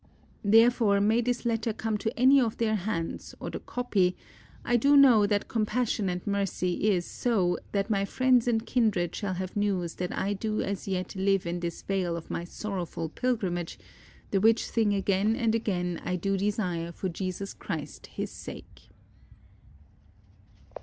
Therefore may this letter come to any of their hands or the copy, I do know that compassion and mercy is so that my friends and kindred shall have news that I do as yet live in this vale of my sorrowful pilgrimage ; the which thing again and again I do desire for Jesus Christ his sake.